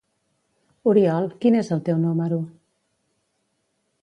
—Oriol, quin és el teu número?